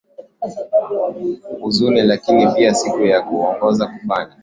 huzuni lakini pia ni siku ya kuwaongoza kufanya